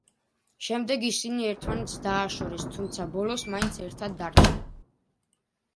შემდეგ ისინი ერთმანეთს დააშორეს თუმცა ბოლოს მაინც ერთად დარჩნენ.